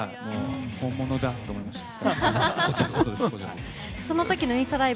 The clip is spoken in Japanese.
本物だと思いました。